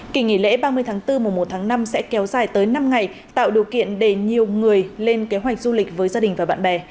kỳ nghỉ lễ ba mươi tháng bốn mùa một tháng năm sẽ kéo dài tới năm ngày tạo điều kiện để nhiều người lên kế hoạch du lịch với gia đình và bạn bè